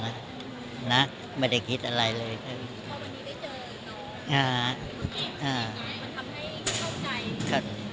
พอวันนี้ได้เจออีกน้องมันทำให้เข้าใจ